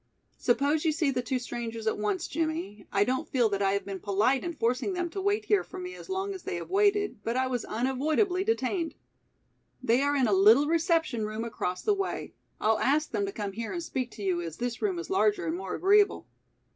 "Suppose you see the two strangers at once, Jimmie, I don't feel that I have been polite in forcing them to wait here for me as long as they have waited, but I was unavoidably detained. They are in a little reception room across the way. I'll ask them to come here and speak to you as this room is larger and more agreeable."